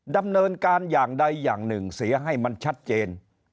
ดำเนินการอย่างใดอย่างหนึ่งเสียให้มันชัดเจน